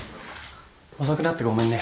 遅くなってごめんね。